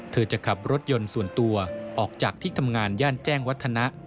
จะขับรถยนต์ส่วนตัวออกจากที่ทำงานย่านแจ้งวัฒนะ